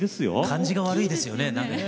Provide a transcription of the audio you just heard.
感じが悪いですよね。